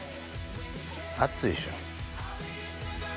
熱いでしょ。